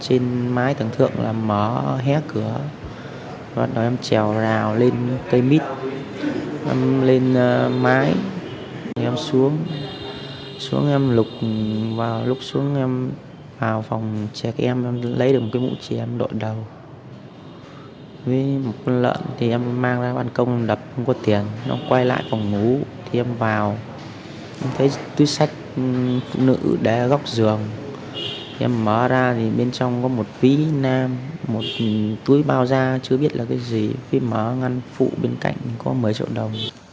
em thấy túi sách nữ đe góc giường em mở ra thì bên trong có một túi bao da chứ biết là cái gì phim mở ngăn phụ bên cạnh có một mươi trộn đồng